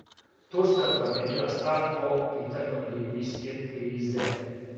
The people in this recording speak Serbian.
Турска промијенила став по питању либијске кризе